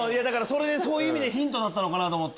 そういう意味でヒントだったのかな？と思って。